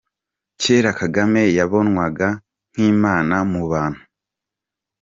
Cyera Kagame yabonwaga nk’imana mu bantu.